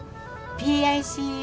ＰＩＣＵ。